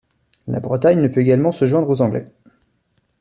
La Bretagne ne peut également se joindre aux Anglais.